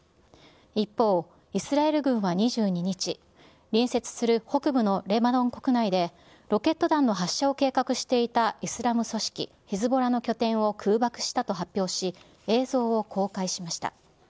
一方、イスラエル軍は２２日、隣接する北部のレバノン国内でロケット弾の発射を計画していたイスラム組織ヒズボラの拠点を空爆したと発表し、映像を公開しました。